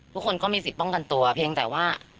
ก็มีสิทธิ์ป้องกันตัวเพียงแต่ว่า